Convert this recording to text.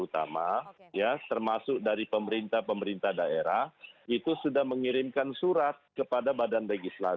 dan juga negara tengah berjuang